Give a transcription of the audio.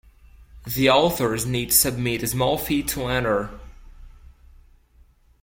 The authors need to submit a small fee to enter.